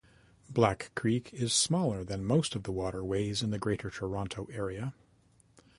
Black Creek is smaller than most of the waterways in the Greater Toronto Area.